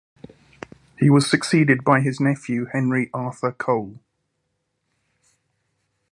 He was succeeded by his nephew Henry Arthur Cole.